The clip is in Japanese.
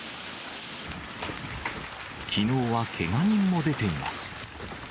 きのうはけが人も出ています。